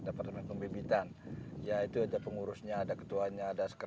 departemen pembibitan ya itu ada pengurusnya ada ketuanya ada